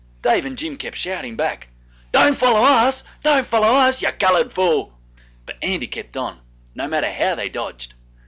Dave and Jim kept shouting back, 'Don't foller us! don't foller us, you coloured fool!' but Andy kept on, no matter how they dodged.